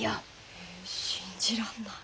ええ信じらんない。